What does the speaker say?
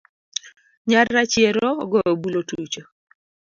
Nyar rachiero ogoyo bul otucho